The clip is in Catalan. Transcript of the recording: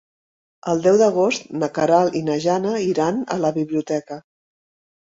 El deu d'agost na Queralt i na Jana iran a la biblioteca.